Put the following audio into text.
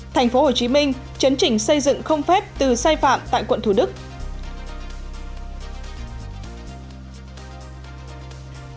thành phố hồ chí minh chấn trình xây dựng không phép từ sai phạm tại quận thủ đức